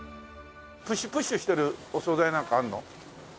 プッシュしてるお総菜なんかあるの？